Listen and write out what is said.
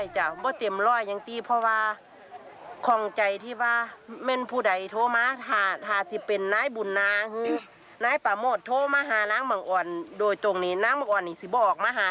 นางบังออนนี่จังสิออกมาหา